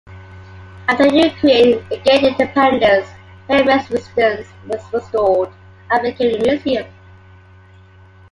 After Ukraine regained independence, Hetman's residence was restored and became a museum.